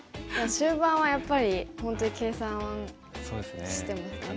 終盤はやっぱり本当に計算してますね。